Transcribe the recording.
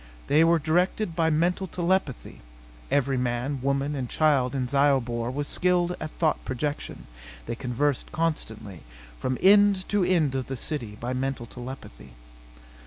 They were directed by mental telepathy (Every man, woman and child in Zyobor was skilled at thought projection. They conversed constantly, from end to end of the city, by mental telepathy.)